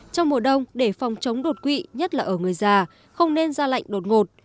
trong mùa đông để phòng chống đột quỵ nhất là ở người già không nên ra lệnh đột ngột